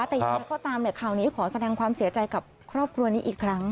แต่ยังไงก็ตามข่าวนี้ขอแสดงความเสียใจกับครอบครัวนี้อีกครั้ง